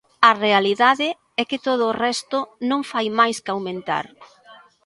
A realidade é que todo o resto non fai máis que aumentar.